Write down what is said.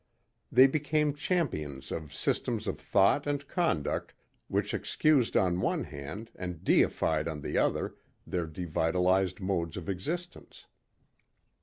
They became champions of systems of thought and conduct which excused on one hand and deified on the other their devitalized modes of existence.